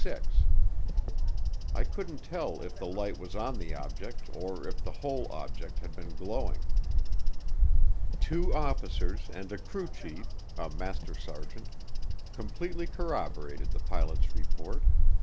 I couldn't tell if the light was on the object or if the whole object had been glowing. Two officers and a crew chief, a master sergeant, completely corroborated the pilot's report.